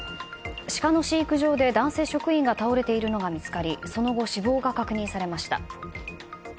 シカの飼育場で男性職員が倒れているのが見つかりその後、死亡が確認されました。